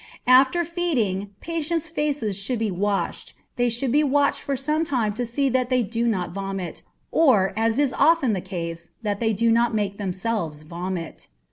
After feeding, patients' faces should be washed. They should be watched for some time to see that they do not vomit, or, as is often the case, that they do not make themselves vomit.